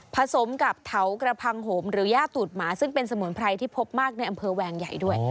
สมกับเถากระพังโหมหรือย่าตูดหมาซึ่งเป็นสมุนไพรที่พบมากในอำเภอแวงใหญ่ด้วย